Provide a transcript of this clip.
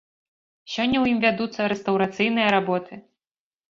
Сёння ў ім вядуцца рэстаўрацыйныя работы.